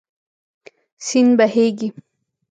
سیند بهېږي.